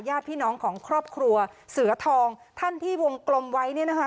ญาติพี่น้องของครอบครัวเสือทองท่านที่วงกลมไว้เนี่ยนะคะ